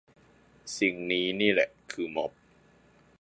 สิ่งนี้นี่แหละคือม็อบ